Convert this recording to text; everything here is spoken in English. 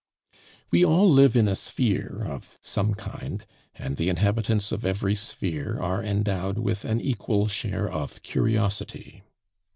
We all live in a sphere of some kind, and the inhabitants of every sphere are endowed with an equal share of curiosity.